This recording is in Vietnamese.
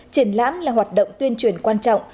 triển lãm là hoạt động tuyên truyền quan trọng